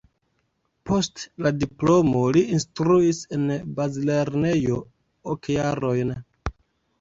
Post la diplomo li instruis en bazlernejo ok jarojn.